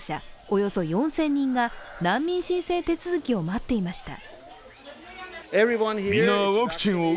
およそ４０００人が難民申請手続きを待っていました。